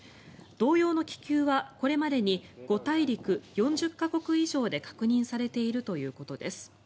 同様の気球は、これまでに５大陸４０か国以上で確認されているということです。